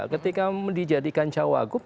ketika dijadikan cawagup